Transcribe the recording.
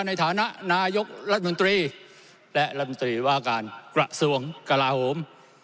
ในฐานะนายกรัฐมนตรีและรัฐมนตรีว่าการกระทรวงกลาโหม